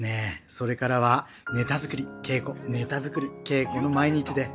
それからはネタ作り稽古ネタ作り稽古の毎日で。